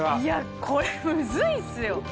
いやこれむずいっすよ。